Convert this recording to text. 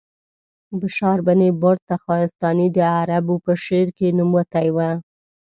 بشار بن برد تخارستاني د عربو په شعر کې نوموتی و.